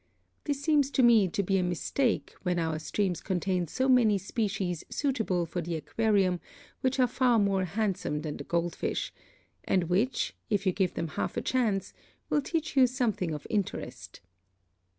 This seems to me to be a mistake when our streams contain so many species suitable for the aquarium which are far more handsome than the gold fish, and which, if you give them half a chance, will teach you something of interest.